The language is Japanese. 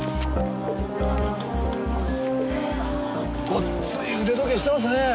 ごっつい腕時計してますねぇ。